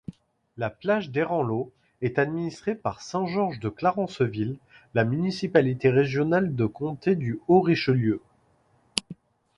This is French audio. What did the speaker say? La Plage-Desranleau est administré par Saint-Georges-de-Clarenceville, la municipalité régionale de comté du Haut-Richelieu.